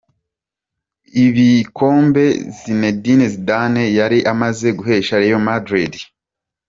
Ibikombe Zinedine Zidane yari amaze guhesha Real Madrid:.